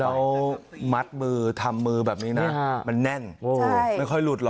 เขามัดมือทำมือแบบนี้นะมันแน่นไม่ค่อยหลุดหรอก